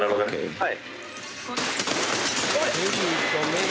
はい。